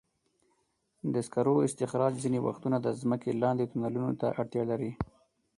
د سکرو استخراج ځینې وختونه د ځمکې لاندې تونلونو ته اړتیا لري.